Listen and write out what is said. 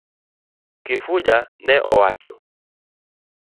Kifuja ne owacho.